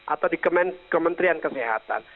atau di kementerian kesehatan